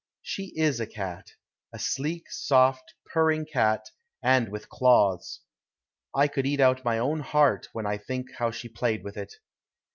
She is a cat. A sleek, soft, purring cat, and with claws. I could eat out my own heart when I think how she played with it.